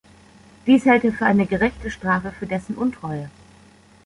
Dies hält er für eine gerechte Strafe für dessen Untreue.